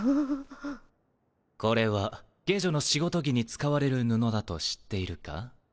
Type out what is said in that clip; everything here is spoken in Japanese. これは下女の仕事着に使われる布だと知っているか？